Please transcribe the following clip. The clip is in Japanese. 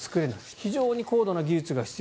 非常に高度な技術が必要。